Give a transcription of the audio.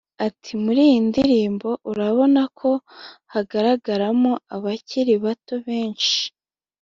Ati “Muri iyi ndirimbo urabona ko hagaragaramo abakiri bato benshi